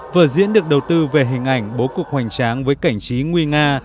vở diễn được đầu tư về hình ảnh bố cục hoành tráng với cảnh trí nguy nga